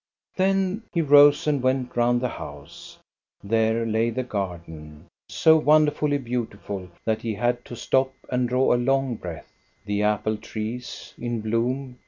Then he rose and went round the house. There lay the garden, so wonderfully beautiful that he had ¥ LILLIECRONA'S HOME 293 slop and draw a long breath. The apple trees : in bloom.